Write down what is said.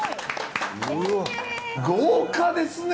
豪華ですね！